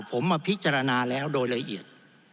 ผมมาพิจารณาแล้วโดยละเอียด